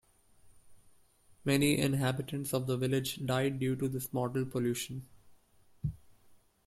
Many inhabitants of the village died due to this mortal pollution.